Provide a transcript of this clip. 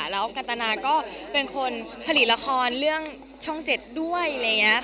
แล้วกันตนาก็เป็นคนผลิตละครเรื่องช่อง๗ด้วย